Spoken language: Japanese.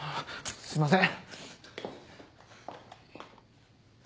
すいません。